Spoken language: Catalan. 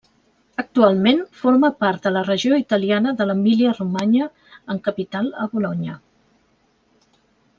Actualment forma part de la regió italiana de l'Emília-Romanya amb capital a Bolonya.